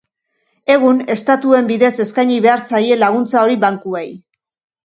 Egun, estatuen bidez eskaini behar zaie laguntza hori bankuei.